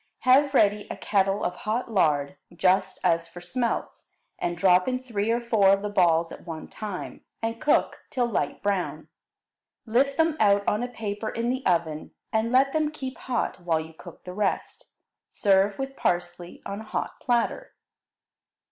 Have ready a kettle of hot lard, just as for smelts, and drop in three or four of the balls at one time, and cook till light brown. Lift them out on a paper in the oven, and let them keep hot while you cook the rest. Serve with parsley on a hot platter.